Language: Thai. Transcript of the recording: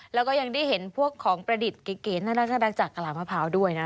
แล้วก็ยังได้เห็นพวกของประดิษฐ์เก๋น่ารักจากกระลามะพร้าวด้วยนะ